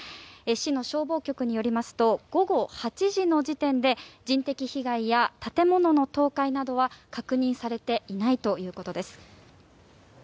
市の消防局によりますと午後８時の時点で人的被害や建物の倒壊などは確認されていないということです。